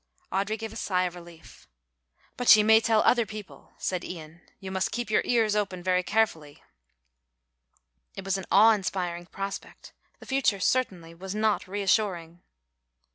Audry gave a sigh of relief. "But she may tell other people," said Ian. "You must keep your ears open very carefully." It was an awe inspiring prospect, the future certainly was not reassuring.